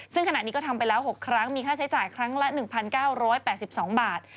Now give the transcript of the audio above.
ซึ่งขณะนี้ก็ทำไปแล้ว๖ครั้งมีค่าใช้จ่ายครั้งละ๑๙๘๒บาท